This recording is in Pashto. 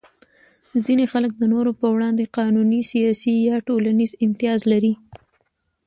ځینې خلک د نورو په وړاندې قانوني، سیاسي یا ټولنیز امتیاز لري.